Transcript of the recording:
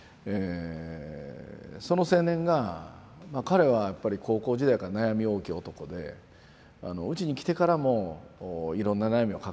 その青年が彼はやっぱり高校時代から悩み多き男でうちに来てからもいろんな悩みを抱えてたんですね。